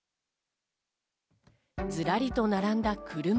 ずらりと並んだ車。